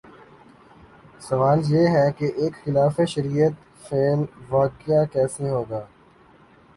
سوال یہ ہے کہ ایک خلاف شریعت فعل واقع کیسے ہوگا؟